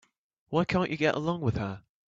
Why can't you get along with her?